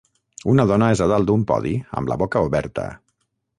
Una dona és a dalt d'un podi amb la boca oberta.